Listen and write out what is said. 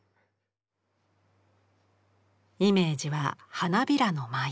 イメージは花びらの舞い。